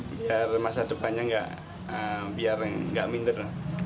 biar masa depannya gak minder